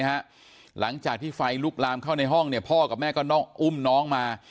หลังจากที่ไฟลุกลามเข้าในห้องเนี่ยพ่อกับแม่ก็ต้องอุ้มน้องมา